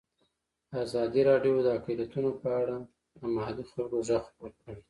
ازادي راډیو د اقلیتونه په اړه د محلي خلکو غږ خپور کړی.